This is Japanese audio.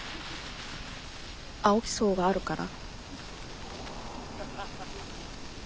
青木荘があるから？